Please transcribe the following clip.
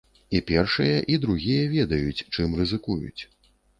І першыя, і другія ведаюць, чым рызыкуюць.